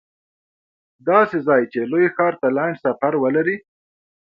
داسې ځای چې لوی ښار ته لنډ سفر ولري